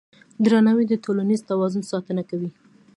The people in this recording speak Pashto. درناوی د ټولنیز توازن ساتنه کوي.